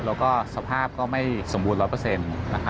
และสภาพก็ไม่สมบูรณ์๑๐๐